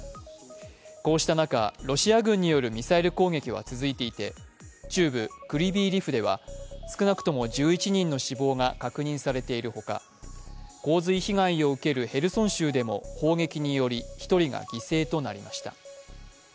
こうした中、ロシア軍によるミサイル攻撃は続いていて中部クリヴィー・リフでは少なくとも１１人の死亡が確認されているほか、洪水被害を受けるヘルソン州でも砲撃により１人が犠牲となりました